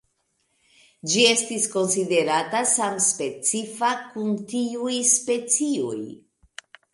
Ĝi estis konsiderata samspecifa kun tiuj specioj.